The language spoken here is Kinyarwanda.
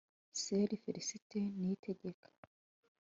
sr. felicite niyitegeka